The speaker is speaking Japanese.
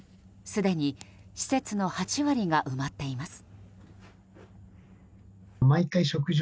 すでに施設の８割が埋まっています。